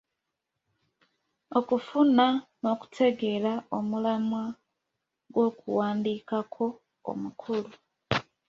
Okufuna n'okutegeera omulamwa gw'okuwandiikako omukulu.